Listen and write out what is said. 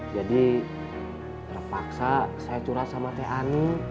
jadi terpaksa saya curhat sama teh ani